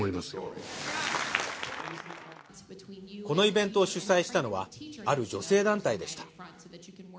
このイベントを主催したのはある女性団体でした。